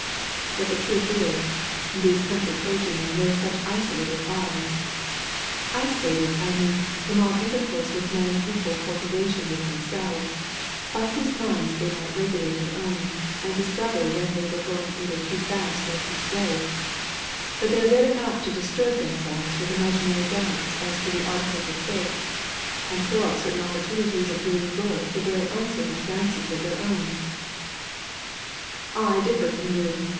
But the truth is, these country clergymen live such isolated lives isolated, I mean, from all intercourse with men of equal cultivation with themselves, by whose minds they might regulate their own, and discover when they were going either too fast or too slow that they are very apt to disturb themselves with imaginary doubts as to the articles of faith, and throw up certain opportunities of doing good for very uncertain fancies of their own." "I differ from you.